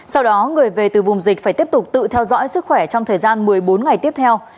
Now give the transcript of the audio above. sau đó người về từ vùng dịch phải tiếp tục tự theo dõi sức khỏe trong thời gian một mươi bốn ngày tiếp theo